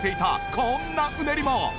こんなうねりも。